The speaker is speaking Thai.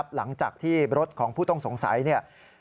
หลังจากที่รถของผู้ต้องสงสัยเนี่ย